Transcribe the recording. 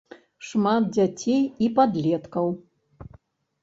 Шмат дзяцей і падлеткаў.